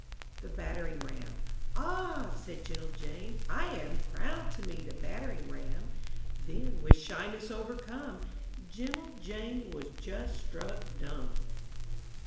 THE BATTERING RAM "Ah!" said gentle Jane, "I am Proud to meet a battering ram." Then, with shyness overcome, Gentle Jane was just struck dumb.